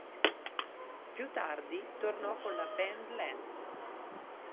Più tardi tornò con la band Lance.